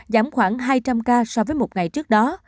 giảm khoảng hai trăm linh ca so với một ngày trước đó